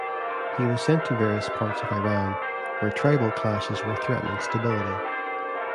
He was sent to various parts of Iran where tribal clashes were threatening stability.